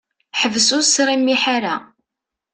Ḥbes ur sṛimiḥ ara!